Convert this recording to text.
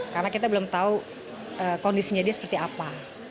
karena kita belum tahu kondisinya dia seperti apa